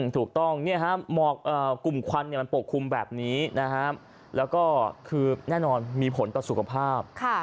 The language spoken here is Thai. ถูกต้องหมอกกลุ่มควันมันปกคลุมแบบนี้แล้วก็คือแน่นอนมีผลต่อสุขภาพ